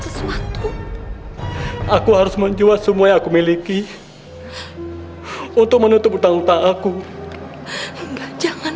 sesuatu aku harus menjual semua yang aku miliki untuk menutup utang utang aku enggak jangan